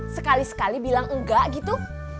sekali sekali bilang enggak gitu